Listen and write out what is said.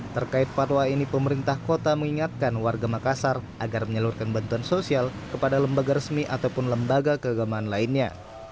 terkait fatwa ini pemerintah kota mengingatkan warga makassar agar menyalurkan bantuan sosial kepada lembaga resmi ataupun lembaga keagamaan lainnya